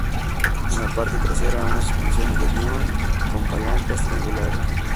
En la parte trasera unas suspensiones De Dion con palancas triangulares.